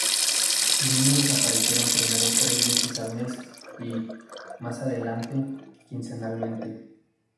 Sus números aparecieron primero tres veces al mes y, más adelante, quincenalmente.